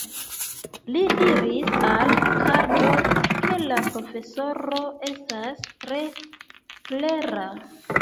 Li diris al Karlo, ke la profesoro estas tre klera.